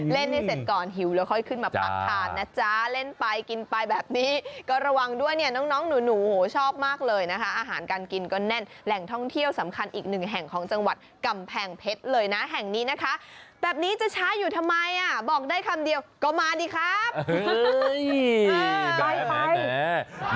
เล่นให้เสร็จก่อนหิวแล้วค่อยขึ้นมาพักทานนะจ๊ะเล่นไปกินไปแบบนี้ก็ระวังด้วยเนี่ยน้องน้องหนูโหชอบมากเลยนะคะอาหารการกินก็แน่นแหล่งท่องเที่ยวสำคัญอีกหนึ่งแห่งของจังหวัดกำแพงเพชรเลยนะแห่งนี้นะคะแบบนี้จะช้าอยู่ทำไมอ่ะบอกได้คำเดียวก็มาดีครับ